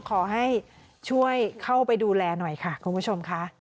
ขอให้ช่วยเข้าไปดูแลหน่อยค่ะคุณผู้ชมค่ะ